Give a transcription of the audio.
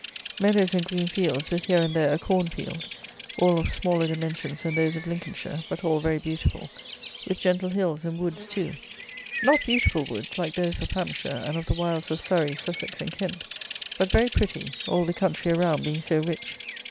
Meadows and green fields, with here and there a corn field, all of smaller dimensions than those of Lincolnshire, but all very beautiful; with gentle hills and woods too; not beautiful woods, like those of Hampshire and of the wilds of Surrey, Sussex and Kent; but very pretty, all the country around being so rich.